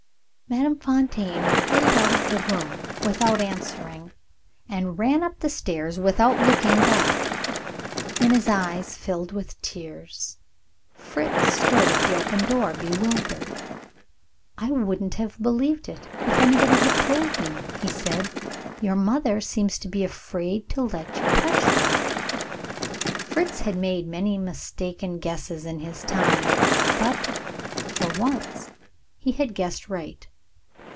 Madame Fontaine hurried out of the room without answering and ran up the stairs without looking back. Minna's eyes filled with tears. Fritz stood at the open door, bewildered. "I wouldn't have believed it, if anybody had told me," he said; "your mother seems to be afraid to let you touch her." Fritz had made many mistaken guesses in his time but, for once, he had guessed right.